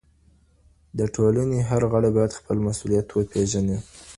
د ټولني هر غړی بايد خپل مسؤليت وپېژني.